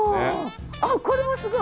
あっこれもすごい。